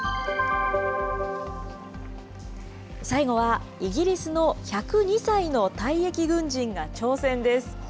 最後は、イギリスの１０２歳の退役軍人が挑戦です。